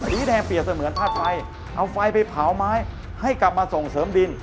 สีแดงเปรียบเสมือนธาตุไฟเอาไฟไปเผาไม้ให้กลับมาส่งเสริมดิน